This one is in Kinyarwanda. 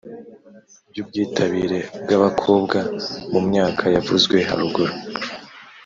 Ry ubwitabire bw abakobwa mu myaka yavuzwe haruguru